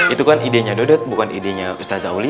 itu kan idenya dodot bukan idenya ustaz zauli